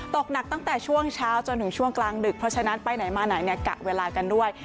ตกหนักตั้งแต่ช่วงเช้าจนถึงช่วงกลางดึกเพราะฉะนั้นไปไหนมาไหนเนี่ยกะเวลากันด้วย